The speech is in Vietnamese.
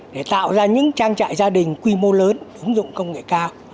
để tạo ra những trang trại gia đình quy mô lớn ứng dụng công nghệ cao